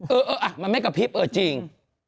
เออมันไม่กระพริบเออจริง